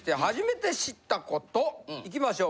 いきましょう。